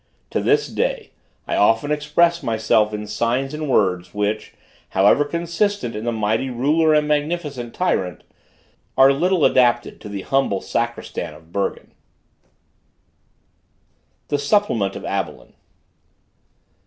To this day, I often express myself in signs and words, which, however consistent in the mighty ruler and magnificent tyrant, are little adapted to the humble sacristan of Bergen. THE SUPPLEMENT OF ABELIN.